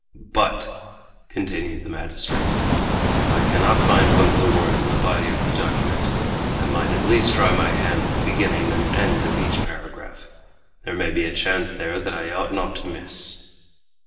"But," continued the magistrate, "if I cannot find one of the words in the body of the document, I might at least try my hand at the beginning and end of each paragraph. There may be a chance there that I ought not to miss."